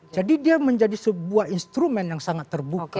jadi dia menjadi sebuah instrumen yang sangat terbuka